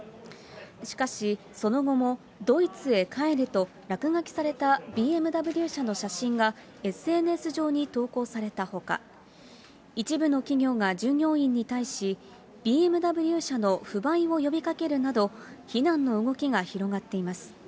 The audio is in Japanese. しかし、その後もドイツへ帰れと落書きされたＢＭＷ車の写真がＳＮＳ上に投稿されたほか、一部の企業が従業員に対し、ＢＭＷ車の不買を呼びかけるなど、非難の動きが広がっています。